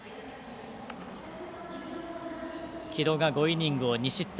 城戸が５イニングを２失点。